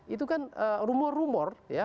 itu kan rumor rumor ya